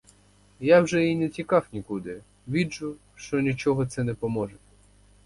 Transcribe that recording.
Я вже й не тікав нікуди, виджу, що нічого це не поможе.